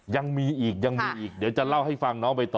ยังมีอีกยังมีอีกเดี๋ยวจะเล่าให้ฟังน้องไปต่อ